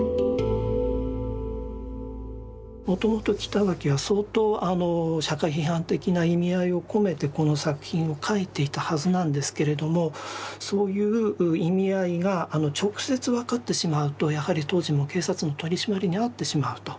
もともと北脇は相当社会批判的な意味合いを込めてこの作品を描いていたはずなんですけれどもそういう意味合いが直接分かってしまうとやはり当時も警察の取締りに遭ってしまうと。